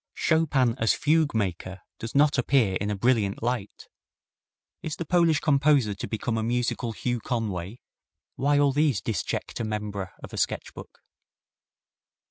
Chopin as fugue maker does not appear in a brilliant light. Is the Polish composer to become a musical Hugh Conway? Why all these disjecta membra of a sketch book?